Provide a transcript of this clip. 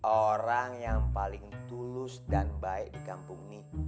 orang yang paling tulus dan baik di kampung ini